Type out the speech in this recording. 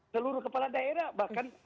seluruh kepala daerah bahkan